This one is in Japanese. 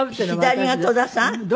左が戸田さん？